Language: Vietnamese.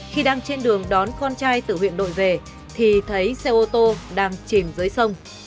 khi đang trên đường đón con trai từ huyện đội về thì thấy xe ô tô đang chìm dưới sông